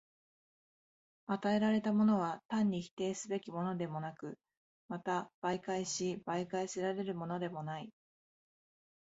与えられたものは単に否定すべきものでもなく、また媒介し媒介せられるものでもない。